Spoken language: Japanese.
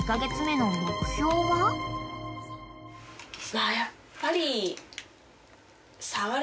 まあやっぱり。